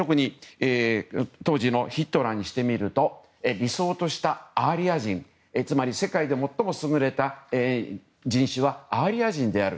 当時のヒトラーにしてみると理想としたアーリア人つまり、世界で最も優れた人種はアーリア人である。